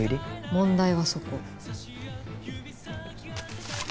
問題はそこ。